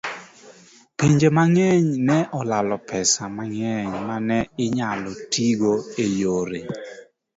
Pinje mang'eny ne olalo pesa mang'eny ma ne inyalo tigo e yore